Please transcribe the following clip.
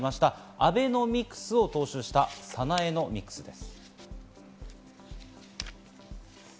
アベノミクスを踏襲したサナエノミクスです。